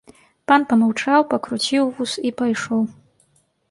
Пан памаўчаў, пакруціў вус і пайшоў.